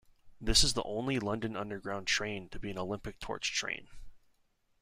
This is the only London Underground train to be an Olympic Torch train.